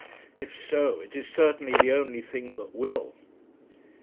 If so, it is certainly the only thing that will.